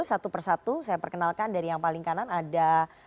satu persatu saya perkenalkan dari yang paling kanan ada